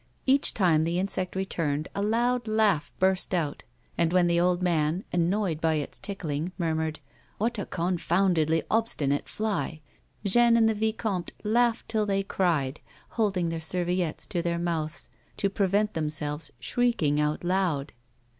Each time the insect returned a loud laugh burst out, and when the old man, annoyed by its tickling, murmured :" What a confoundly obstinate fly !" Jeanne and the vicomte laughed till they cried, holding their serviettes to their mouths to prevent themselves shrieking out loud.